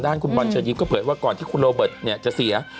ด้านคุณบอนเชิญยิบก็เผยว่าก่อนที่คุณโรเบิร์ตเนี่ยจะเสีย